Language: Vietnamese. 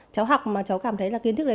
cháu học mà cháu cảm thấy là kiến thức đấy